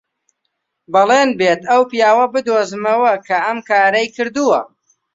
بەڵێن بێت ئەو پیاوە بدۆزمەوە کە ئەم کارەی کردووە.